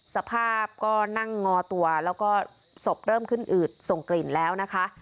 สภาพก็นั่งงอตัวแล้วก็ศพเริ่มขึ้นอืดส่งกลิ่นแล้วนะคะ